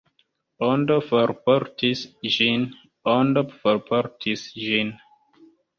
Ondo forportis ĝin, Ondo forportis ĝin.